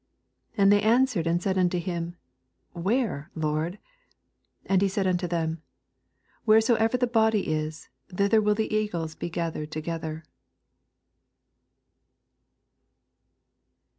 37 And they answered and said unto him, Where, Lord ? And he said unto them, Wheresoever the body is. thither will the eagles be gathered together.